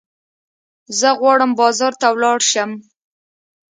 زه غواړم بازار ته ولاړ شم.